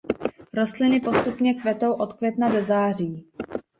Rostliny postupně kvetou od května do září.